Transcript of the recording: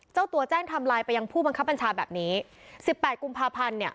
เจ้าตัวแจ้งทำลายไปยังผู้บังคับบัญชาแบบนี้สิบแปดกุมภาพันธ์เนี่ย